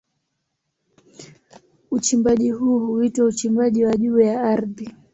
Uchimbaji huu huitwa uchimbaji wa juu ya ardhi.